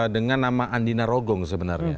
dengan nama andina rogong sebenarnya